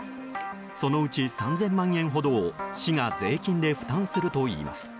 そのうち３０００万円ほどを市が税金で負担するといいます。